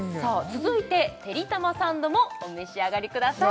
続いててりたまサンドもお召し上がりください